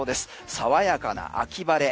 爽やかな秋晴れ。